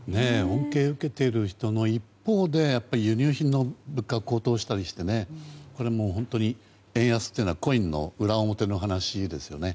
恩恵を受けている人の一方で輸入品の物価が高騰したりしてねこれは本当に円安というのはコインの裏表な話ですよね。